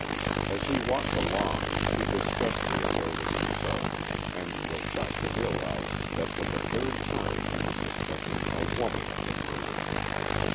As he walked along he discussed the affair with himself, and was shocked to realize that for the third time he was suspecting a woman of the murder.